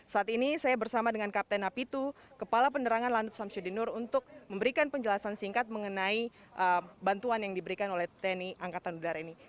saat ini saya bersama dengan kapten apitu kepala penerangan lanut samsudinur untuk memberikan penjelasan singkat mengenai bantuan yang diberikan oleh tni angkatan udara ini